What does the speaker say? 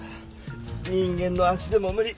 人間の足でもむ理。